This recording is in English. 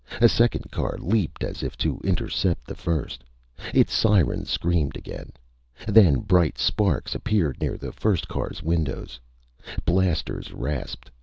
A second car leaped as if to intercept the first. Its siren screamed again. Then bright sparks appeared near the first car's windows. Blasters rasped.